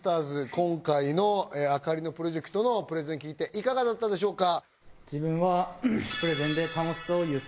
今回のあかりのプロジェクトのプレゼン聞いていかがだったでしょうか。